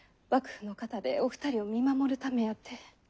幕府の方でお二人を見守るためやて。